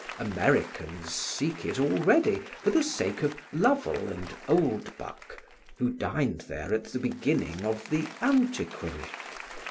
Americans seek it already for the sake of Lovel and Oldbuck, who dined there at the beginning of the Antiquary.